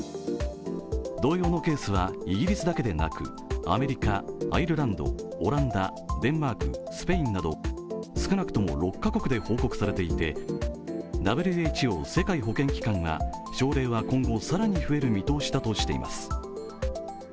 同様のケースはイギリスだけでなくアメリカ、アイルランド、オランダ、デンマーク、スペインなど少なくとも６カ国で報告されていてＷＨＯ＝世界保健機関は症例は今後更に増える見通しだとしています。